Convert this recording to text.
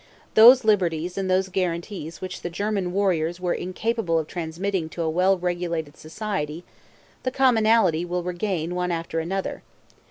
Those liberties and those guarantees which the German warriors were incapable of transmitting to a well regulated society, the commonalty will regain one after another.